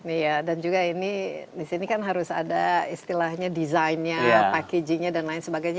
iya dan juga ini di sini kan harus ada istilahnya desainnya packagingnya dan lain sebagainya